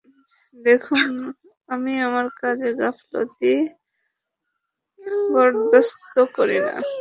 দেখুন, আমি আমার কাজে গাফেলতি বরদাশত করি না!